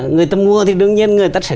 người ta mua thì đương nhiên người ta sẽ